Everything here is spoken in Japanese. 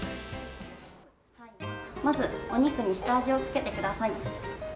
まずお肉に下味を付けてください。